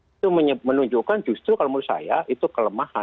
itu menunjukkan justru kalau menurut saya itu kelemahan